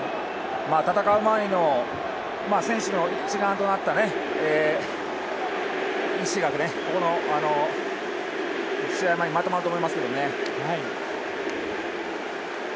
戦う前の選手が一丸となった意思が、この試合の前にまとまっていますよね。